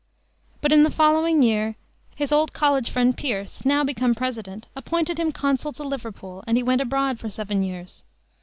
But in the following year his old college friend Pierce, now become President, appointed him Consul to Liverpool, and he went abroad for seven years.